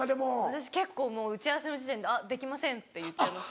私結構もう打ち合わせの時点で「できません」って言っちゃいます。